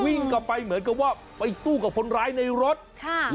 วิ่งกลับไปเหมือนกับว่าไปสู้กับคนร้ายในรถค่ะ